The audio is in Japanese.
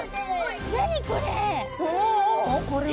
何これ！？